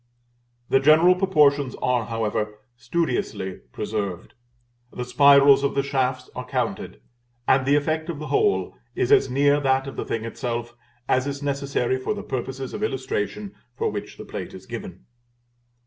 The general proportions are, however, studiously preserved; the spirals of the shafts are counted, and the effect of the whole is as near that of the thing itself, as is necessary for the purposes of illustration for which the plate is given.